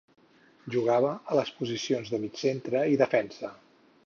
Jugava a les posicions de mig centre i defensa.